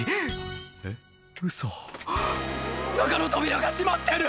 「えっ？ウソ」「中の扉が閉まってる！」